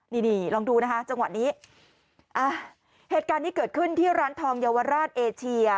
นี่นี่ลองดูนะคะจังหวะนี้อ่ะเหตุการณ์นี้เกิดขึ้นที่ร้านทองเยาวราชเอเชีย